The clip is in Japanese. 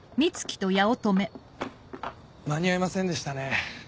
間に合いませんでしたね。